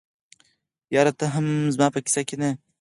یاره ته هم زما په کیسه کي نه یې.